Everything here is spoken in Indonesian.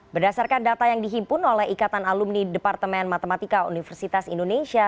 berdasarkan data yang dihimpun oleh ikatan alumni departemen matematika universitas indonesia